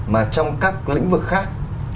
mà trong các lĩnh vực khác